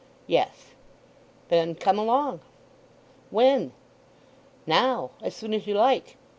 "Yes." "Then come along." "When?" "Now—as soon as you like.